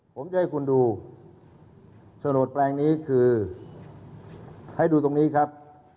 ผมจะให้คุณดูโฉนดแปลงนี้คือให้ดูตรงนี้ครับ